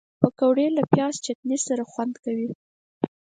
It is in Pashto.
پکورې له پیاز چټني سره خوند کوي